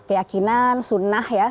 keyakinan sunnah ya